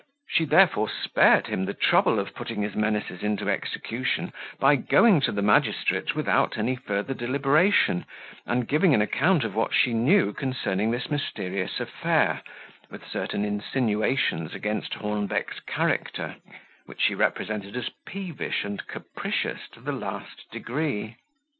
She therefore spared him the trouble of putting his menaces into execution by going to the magistrate, without any further deliberation, and giving an account of what she knew concerning this mysterious affair, with certain insinuations against Hornbeck's character, which she represented as peevish and capricious to the last degree.